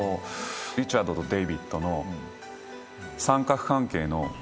リチャードとデイビッドの三角関係の。